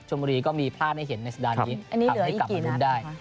บุรีก็มีพลาดให้เห็นในสัปดาห์นี้ทำให้กลับมาลุ้นได้